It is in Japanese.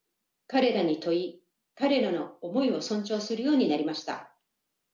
彼らに問い彼らの思いを尊重するようになりました。